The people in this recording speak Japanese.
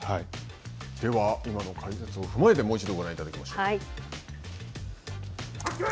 では今の解説を踏まえて、もう一度、ご覧いただきましょう。